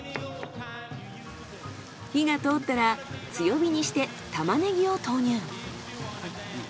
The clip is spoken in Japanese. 火が通ったら強火にしてタマネギを投入。